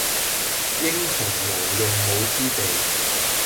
英雄無用武之地